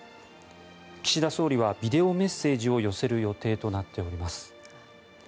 岸田総理はビデオメッセージを寄せる予定となっております。